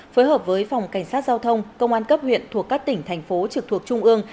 phối hợp với phòng cảnh sát giao thông công an cấp huyện thuộc các tỉnh thành phố trực thuộc trung ương